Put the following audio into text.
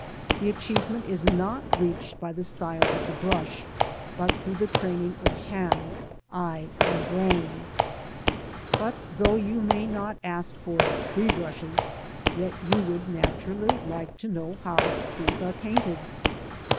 The achieve ment is not reached by the style of the brush, but through the training of hand, eye and brain. But though you may not ask for '* tree brushes,'' yet you would naturally like to know how trees are painted.